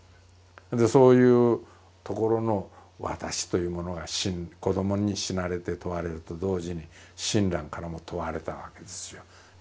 そういうところの私というものが子どもに死なれて問われると同時に親鸞からも問われたわけですよ。